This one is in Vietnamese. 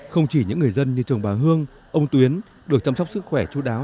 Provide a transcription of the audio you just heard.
không chỉ những người dân như chồng bà hương ông tuyến được chăm sóc sức khỏe chú đáo